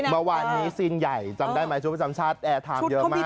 เมื่อวานนี้ซีนใหญ่จำได้ไหมชุดประจำชาติแอร์ไทม์เยอะมาก